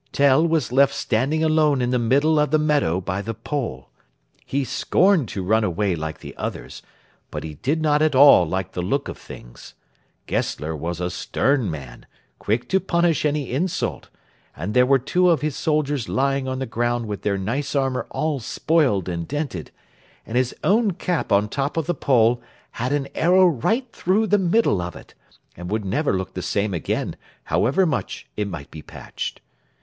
Tell was left standing alone in the middle of the meadow by the pole. He scorned to run away like the others, but he did not at all like the look of things. Gessler was a stern man, quick to punish any insult, and there were two of his soldiers lying on the ground with their nice armour all spoiled and dented, and his own cap on top of the pole had an arrow right through the middle of it, and would never look the same again, however much it might be patched.